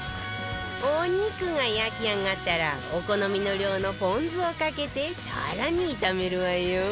お肉が焼き上がったらお好みの量のポン酢をかけて更に炒めるわよ